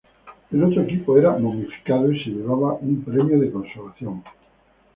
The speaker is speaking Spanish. El otro equipo era "momificado" y se llevaba un premio de consolación.